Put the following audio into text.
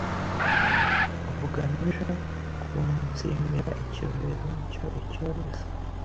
bugamije guumunsimira icyorezo cyo Icyorezo.